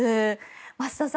増田さん